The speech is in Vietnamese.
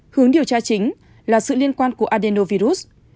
hướng điều tra chính là sự liên quan của adenovirus